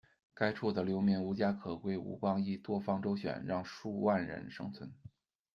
该处的流民无家可归，吴光义多方周旋，让数万人生存。